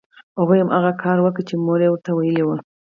هغوی هماغه کار وکړ چې مور یې ورته ویلي وو